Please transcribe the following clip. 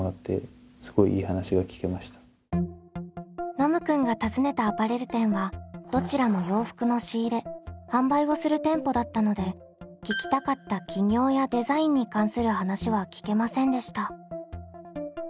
ノムくんが訪ねたアパレル店はどちらも洋服の仕入れ販売をする店舗だったので聞きたかった起業やデザインに関する話は聞けませんでした。